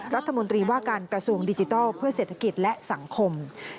รัฐมนตรีว่าการกระทรวงดิจิทัลเพื่อเศรษฐกิจและสังคม